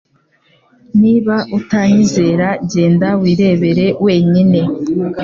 Niba utanyizera genda wirebere wenyine